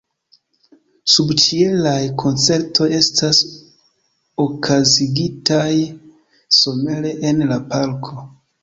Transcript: Subĉielaj koncertoj estas okazigitaj somere en la parko.